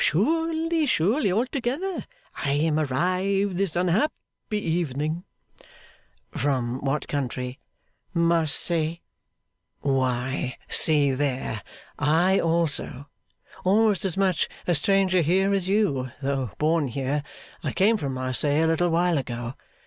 'Surely, surely, altogether. I am arrived this unhappy evening.' 'From what country?' 'Marseilles.' 'Why, see there! I also! Almost as much a stranger here as you, though born here, I came from Marseilles a little while ago.